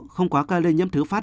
không có ca lây nhiễm thứ phát